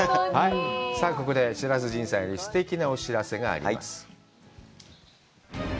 さあここで白洲迅さんより、すてきなお知らせがあります。